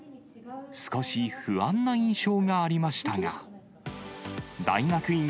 少し不安な印象がありましたが。